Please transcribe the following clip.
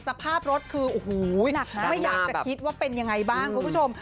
สภาพรถคือโอ้โหไม่อยากจะคิดว่าเป็นยังไงบ้างคุณผู้ชม